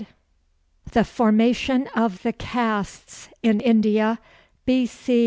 THE FORMATION OF THE CASTES IN INDIA B.C.